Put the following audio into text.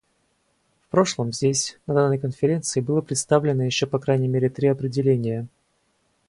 В прошлом здесь, на данной Конференции, было представлено еще по крайней мере три определения.